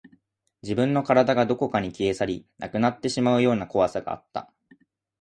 自分の体がどこかに消え去り、なくなってしまうような怖さがあった